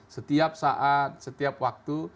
setiap saat setiap waktu